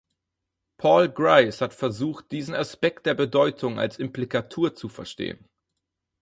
Paul Grice hat versucht, diesen Aspekt der Bedeutung als Implikatur zu verstehen.